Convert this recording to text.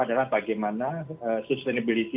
adalah bagaimana sustainability